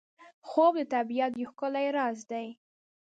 خوب د طبیعت یو ښکلی راز دی